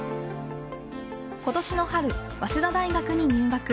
今年の春、早稲田大学に入学。